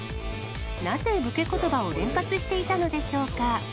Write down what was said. なぜ、武家ことばを連発していたのでしょうか。